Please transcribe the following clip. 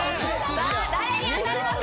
さあ誰に当たるのか？